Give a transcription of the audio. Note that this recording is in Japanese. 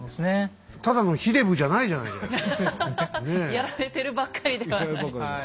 やられてるばっかりではない。